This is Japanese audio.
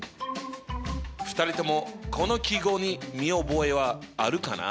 ２人ともこの記号に見覚えはあるかな？